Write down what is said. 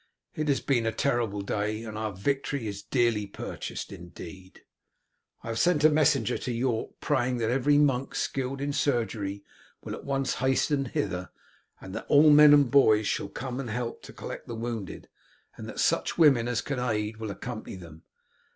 It has been a terrible day, and our victory is dearly purchased indeed. I have sent a messenger to York, praying that every monk skilled in surgery will at once hasten hither, that all men and boys shall come and help to collect the wounded, and that such women as can aid will accompany them.